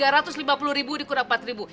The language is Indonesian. rp tiga ratus lima puluh dikurang rp empat